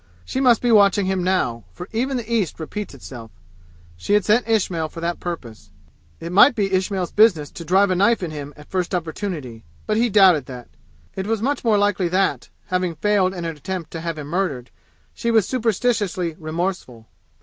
She must be watching him now, for even the East repeats itself. She had sent Ismail for that purpose. It might be Ismail's business to drive a knife in him at the first opportunity, but he doubted that. It was much more likely that, having failed in an attempt to have him murdered, she was superstitiously remorseful.